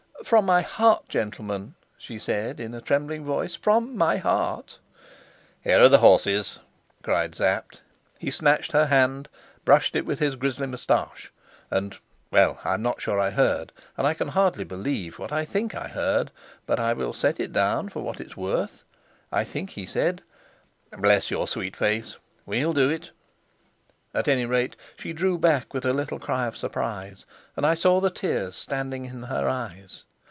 "From my heart, gentlemen," she said in a trembling voice, "from my heart " "Here are the horses," cried Sapt. He snatched her hand, brushed it with his grizzly moustache, and well, I am not sure I heard, and I can hardly believe what I think I heard. But I will set it down for what it is worth. I think he said, "Bless your sweet face, we'll do it." At any rate she drew back with a little cry of surprise, and I saw the tears standing in her eyes.